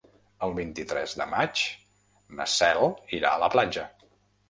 El vint-i-tres de maig na Cel irà a la platja.